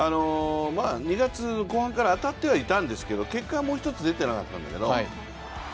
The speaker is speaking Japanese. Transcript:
２月後半から当たってはいたんだけど、結果はもうひとつ出ていなかったんですけど。